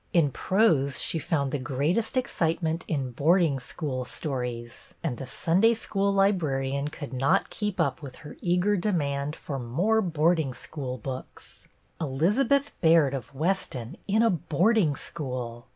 In prose she found the greatest excitement in boarding school stories, and the Sunday School librarian could not keep up with her eager demand for " more board ing school books." Elizabeth Baird of Weston in a boarding school